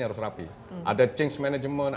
harus rapi ada change management